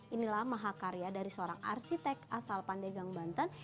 inilah mahakarya dari seorang arsitek asal pandegang banten